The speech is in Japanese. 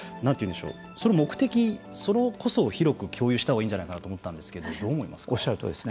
目的それこそを広く共有したほうがいいんじゃないかと思ったんですがおっしゃるとおりですね。